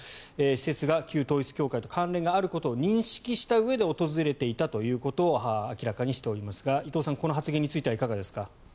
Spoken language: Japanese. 施設が旧統一教会と関連があることを認識したうえで訪れていたということを明らかにしておりますが伊藤さん、この発言についてはいかがでしょうか？